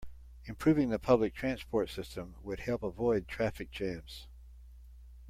Improving the public transport system would help avoid traffic jams.